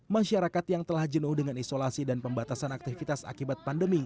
masyarakat yang telah jenuh dengan isolasi dan pembatasan aktivitas akibat pandemi